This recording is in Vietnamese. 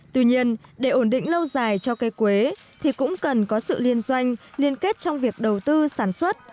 tuy nhiên để ổn định lâu dài cho cây quế thì cũng cần có sự liên doanh liên kết trong việc đầu tư sản xuất